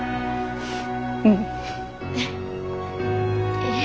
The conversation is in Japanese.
うん。え？